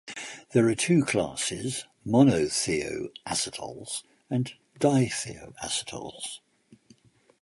There are two classes: monothioacetals and dithioacetals.